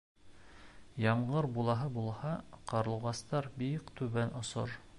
Ямғыр булаһы булһа, ҡарлуғастар бик түбән осор.